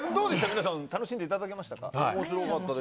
皆さん楽しんでいただけましたか。